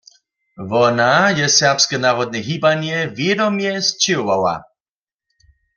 Wona je serbske narodne hibanje wědomje sćěhowała.